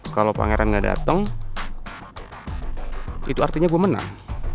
kalau pangeran nggak datang itu artinya gue menang